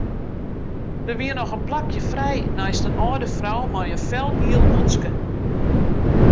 Der wie noch in plakje frij neist in âlde frou mei in felgiel mûtske.